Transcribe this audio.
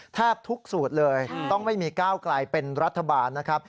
แทบทุกสูตรเลยต้องไม่มีก้าวไกลเป็นรัฐบาลนะครับ